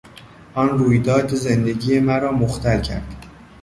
آن رویداد زندگی مرا مختل کرد.